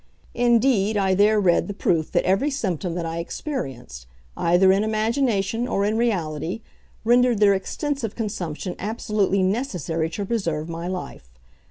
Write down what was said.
Indeed, I there read the proof that every symptom that I experienced, either in imagination or in reality, rendered their extensive consumption absolutely necessary to preserve my life.